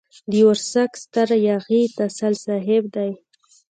د ورسک ستر ياغي تسل صاحب دی.